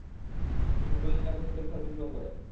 সকলে নিরাপদে পরিখা অতিক্রম করে।